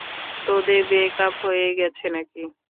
তোদের break up হয়ে গেছে নাকি?